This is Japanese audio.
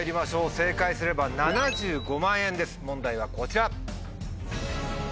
正解すれば７５万円です問題はこちら。